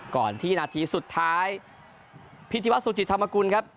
ก่อนที่นาทีสุดท้ายพิธีวัฒสุจิตธรรมกุลครับ